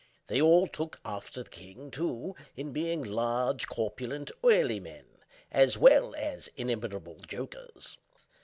They all took after the king, too, in being large, corpulent, oily men, as well as inimitable jokers.